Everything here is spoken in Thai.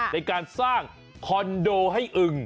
ในการสร้างคอนโดให้อึง